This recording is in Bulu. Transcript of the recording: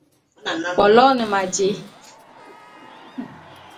W'aloene ma jé?